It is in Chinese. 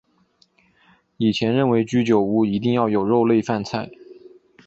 以前认为居酒屋一定要有肉类饭菜。